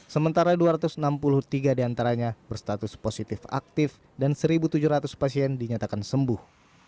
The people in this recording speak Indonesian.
sementara dua ratus enam puluh tiga diantaranya berstatus positif aktif dan satu tujuh ratus pasien dinyatakan sembuh